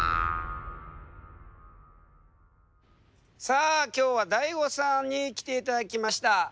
さあ今日はＤＡＩＧＯさんに来ていただきました。